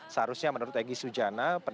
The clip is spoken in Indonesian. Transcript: seharusnya menurut egy sujana